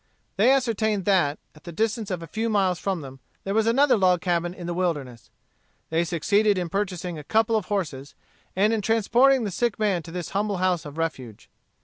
They ascertained that, at the distance of a few miles from them, there was another log cabin in the wilderness. They succeeded in purchasing a couple of horses, and in transporting the sick man to this humble house of refuge.